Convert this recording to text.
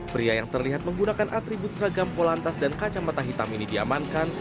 pria yang terlihat menggunakan atribut seragam polantas dan kacamata hitam ini diamankan